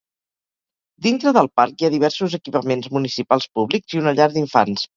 Dintre del parc hi ha diversos equipaments municipals públics i una llar d'infants.